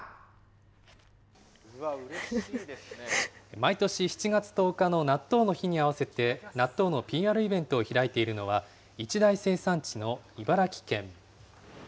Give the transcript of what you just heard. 毎年７月１０日の納豆の日に合わせて、納豆のＰＲイベントを開いているのは、一大生産地の茨城県。